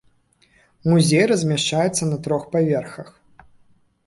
Музей размяшчаецца на трох паверхах.